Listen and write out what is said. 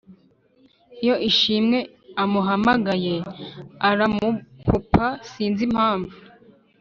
Iyo ishimwe amuhamagaye aramukupa sinzi impamvu